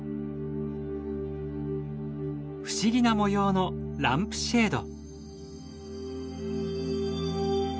不思議な模様のランプシェード。